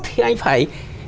thì anh phải